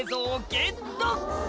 ゲット！